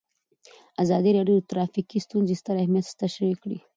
ازادي راډیو د ټرافیکي ستونزې ستر اهميت تشریح کړی.